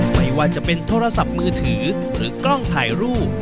ไม่ว่าจะเป็นโทรศัพท์มือถือหรือกล้องถ่ายรูป